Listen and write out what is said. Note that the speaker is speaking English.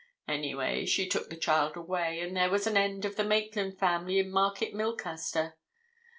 Anyway, she took the child away, and there was an end of the Maitland family in Market Milcaster.